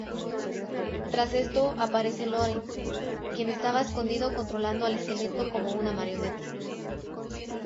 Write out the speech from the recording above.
Tras esto aparece Loren, quien estaba escondido controlando al esqueleto como una marioneta.